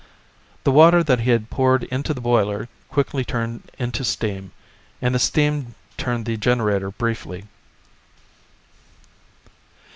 The water that he had poured into the boiler quickly turned into steam, and the steam turned the generator briefly.